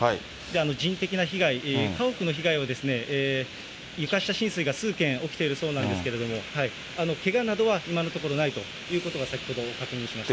人的な被害、家屋の被害は床下浸水が数軒起きているそうなんですけれども、けがなどは今のところないということは、先ほど確認しました。